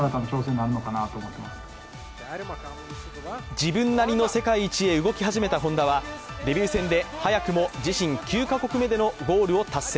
自分なりの世界一へ動き始めた本田はデビュー戦で早くも自身９カ国目でのゴールを達成。